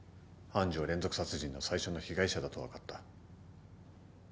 愛珠は連続殺人の最初の被害者だと分かった。